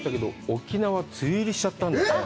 沖縄、梅雨入りしちゃったんだね。